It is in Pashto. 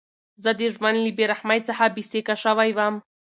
زه د ژوند له بېرحمۍ څخه بېسېکه شوی وم.